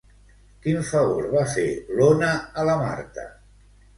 Quin favor va fer l'Ona a la Marta?